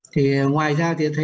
thì ngoài ra thì thấy